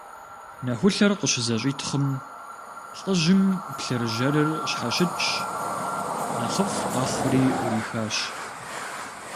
Нэхулъэр къыщызэщӀитхъым, лӏыжьым плъыржьэрыр щхьэщыкӀщ, нэхъыфӀ къэхъури Ӏурихащ.